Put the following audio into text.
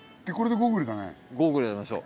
ゴーグル選びましょう。